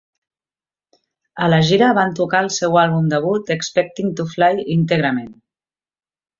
A la gira van tocar el seu àlbum debut, "Expecting to Fly", íntegrament.